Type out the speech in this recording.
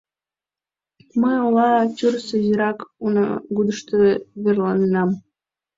— Мый ола тӱрысӧ изирак унагудышто верланенам.